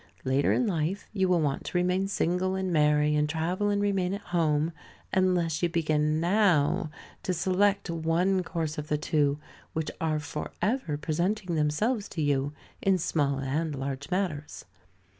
Later in life, you will want to remain single and marry, and travel and remain at home, unless you begin now to select one course of the two which are for ever presenting themselves to you, in small and large matters.